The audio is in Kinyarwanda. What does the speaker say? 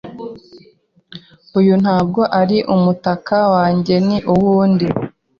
Uyu ntabwo ari umutaka wanjye; ni uwundi.